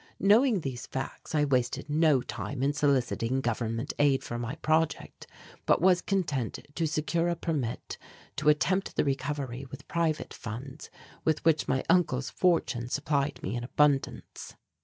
Knowing these facts, I wasted no time in soliciting government aid for my project, but was content to secure a permit to attempt the recovery with private funds, with which my uncle's fortune supplied me in abundance.